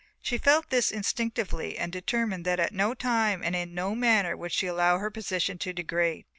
She felt this instinctively and determined that at no time and in no manner would she allow her position to degrade.